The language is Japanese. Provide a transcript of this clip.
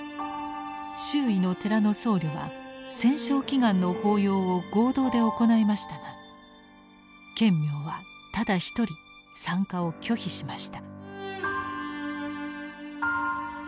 周囲の寺の僧侶は戦勝祈願の法要を合同で行いましたが顕明はただ一人参加を拒否しました。